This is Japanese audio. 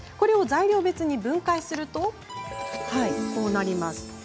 材料別に分解するとこうなります。